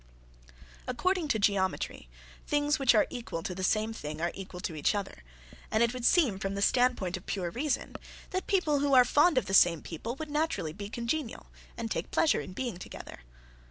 According to geometry, "things which are equal to the same thing are equal to each other," and it would seem, from the standpoint of pure reason, that people who are fond of the same people would naturally be congenial and take pleasure in being together.